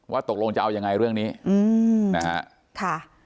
ตกลงจะเอายังไงเรื่องนี้นะฮะ